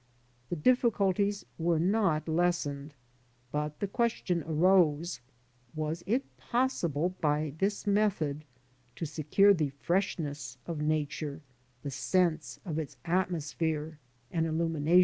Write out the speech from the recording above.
The difficulties were not lessened. But the question arose :'' Was it possible by this method to secure the freshness of Nature, the sense of its atmosphere and illumination?"